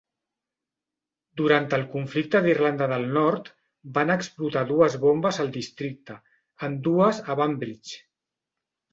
Durant el conflicte d'Irlanda del Nord van explotar dues bombes al districte, ambdues a Banbridge.